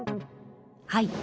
はい。